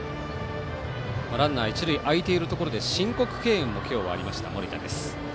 ランナー、一塁空いているところで申告敬遠もありました森田です。